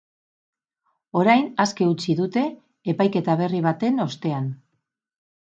Orain aske utzi dute, epaiketa berri baten ostean.